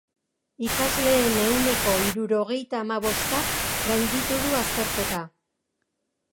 Ikasleen ehuneko hirurogeita hamabostak gainditu du azterketa.